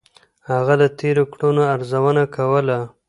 هغه د تېرو کړنو ارزونه کوله.